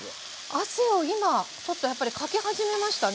汗を今ちょっとやっぱりかき始めましたね。